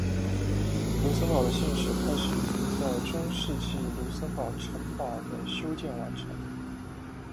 卢森堡的信史开始于在中世纪卢森堡城堡的修建完成。